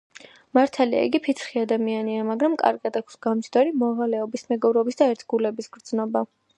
მართალია იგი ფიცხი ადამიანია, მაგრამ კარგად აქვს გამჯდარი მოვალეობის, მეგობრობის და ერთგულების გრძნობა.